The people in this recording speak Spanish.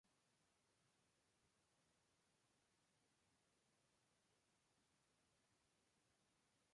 Todas estas obras no han podido ser identificadas debido a su desaparición.